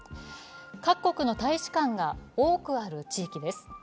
各国の大使館が多くある地域です。